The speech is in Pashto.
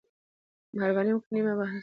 مهربانې وکړه نمبر په صحیح توګه ولېکه